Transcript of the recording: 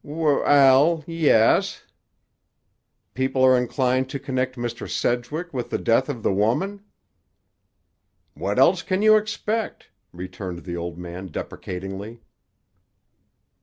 "We—ell, yes." "People are inclined to connect Mr. Sedgwick with the death of the woman?" "What else can you expect?" returned the old man deprecatingly.